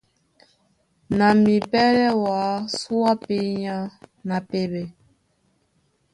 Na mipɛ́lɛ́ wǎ súe á pényá na pɛɓɛ.